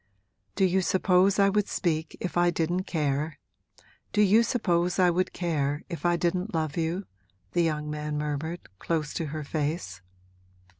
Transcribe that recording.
'Do you suppose I would speak if I didn't care do you suppose I would care if I didn't love you?' the young man murmured, close to her face.